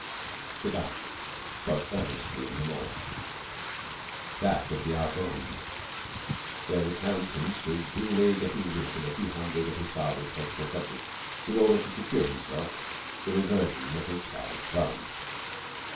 The guns spoke earnestly in the north. That was the Argonne, where the Crown Prince was busily getting rid of a few thousands of his father's faithful subjects in order to secure himself the reversion of his father's throne.